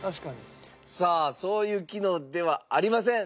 さあそういう機能ではありません。